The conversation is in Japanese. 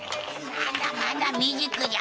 まだまだ未熟じゃ。